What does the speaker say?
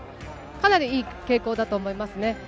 かなりいい傾向だと思いますね。